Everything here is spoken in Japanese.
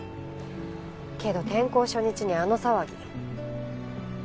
けど転校初日にあの騒ぎ。